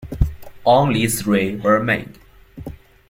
Only three were made.